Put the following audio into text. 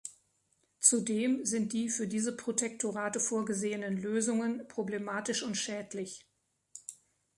Zudem sind die für diese Protektorate vorgesehenen Lösungen problematisch und schädlich.